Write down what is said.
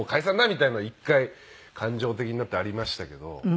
みたいなのは一回感情的になってありましたけど。